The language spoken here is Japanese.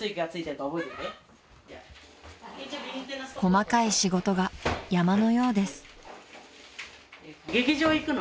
［細かい仕事が山のようです］